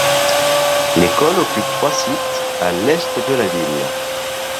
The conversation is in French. L'école occupe trois sites à l'est de la ville.